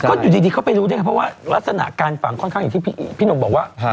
ก็อยู่ดีเขาไปรู้ได้ไงเพราะว่ารักษณะการฝังค่อนข้างอย่างที่พี่หนุ่มบอกว่า